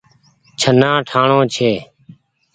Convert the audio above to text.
ڇهنآ ٺآڻو ڇي۔